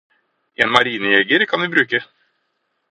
En marinejeger kan vi bruke